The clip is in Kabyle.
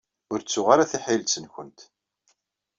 Ur ttuɣ ara tiḥilet-nwent.